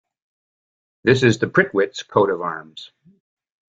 This is the Prittwitz coat of arms.